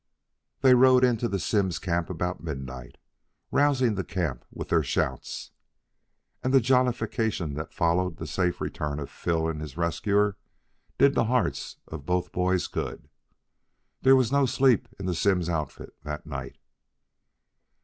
They rode into the Simms camp about midnight, rousing the camp with their shouts. And the jollification that followed the safe return of Phil and his rescuer did the hearts of both boys good. There was no sleep in the Simms outfit that night.